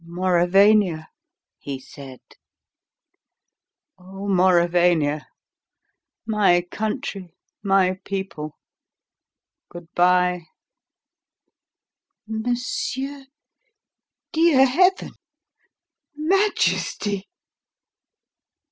"Mauravania!" he said. "Oh, Mauravania! My country my people good bye!" "Monsieur! Dear Heaven _Majesty!